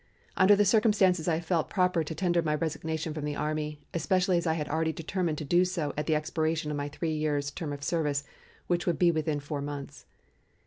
Under the circumstances I felt it proper to tender my resignation from the army, especially as I had already determined to do so at the expiration of my three years' term of service, which would be within four months.